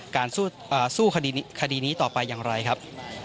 การซู้สู้คดีนี้คดีนี้ต่อไปอย่างไรครับ